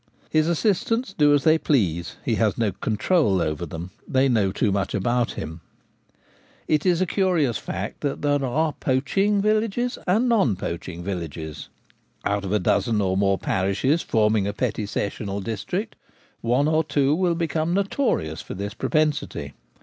His assistants do as they please. He has no control over them: they know too much about him. It is a curious fact that there are poaching villages Poaching Villages. 215 and non poaching villages. Out of a dozen or more parishes forming a petty sessional district one or two will become notorious for this propensity.